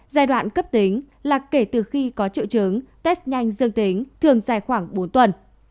giai đoạn cấp tính là kể từ khi có triệu chứng test nhanh dương tính thường dài khoảng bốn tuần